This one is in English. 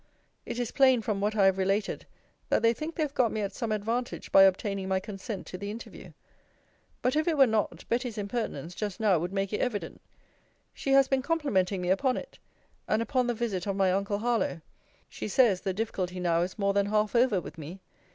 It is plain, from what I have related, that they think they have got me at some advantage by obtaining my consent to the interview: but if it were not, Betty's impertinence just now would make it evident. She has been complimenting me upon it; and upon the visit of my uncle Harlowe. She says, the difficulty now is more than half over with me.